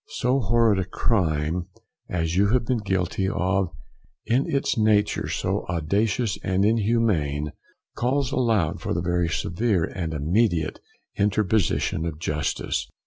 So horrid a crime as you have been guilty of, in its nature so audacious and inhuman, calls aloud for the very severe and immediate interposition of justice.